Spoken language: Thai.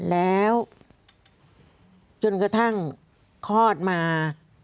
แล้วจนกระทั่งคลอดมา